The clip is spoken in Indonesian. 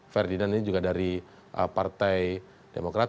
ferdinand ini juga dari partai demokrat